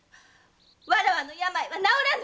わらわの病は治らぬ。